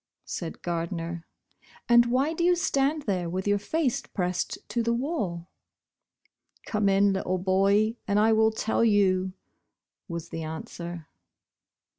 said Gardner, "and why do you stand there with your face pressed to the wall ?" "Come in, little boy, and I will tell you," was the answer.